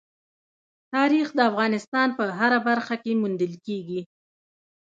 تاریخ د افغانستان په هره برخه کې موندل کېږي.